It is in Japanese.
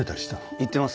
行ってます。